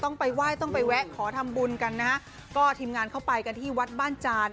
ต้องไปไหว้ต้องไปแวะขอทำบุญกันนะฮะก็ทีมงานเข้าไปกันที่วัดบ้านจาน